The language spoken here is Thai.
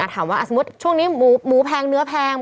ถามว่าสมมุติช่วงนี้หมูแพงเนื้อแพง